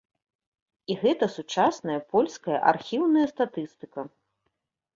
І гэта сучасная польская архіўная статыстыка.